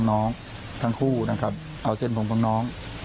แกงข้างคู่คือเส้นผมของหนอง